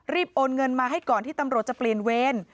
โอนเงินมาให้ก่อนที่ตำรวจจะเปลี่ยนเวร